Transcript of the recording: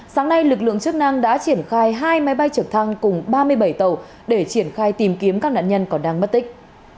sáng nay lực lượng chức năng đã triển khai hai máy bay trực thăng cùng ba mươi bảy tàu để triển khai tìm kiếm các nạn nhân còn đang mất tích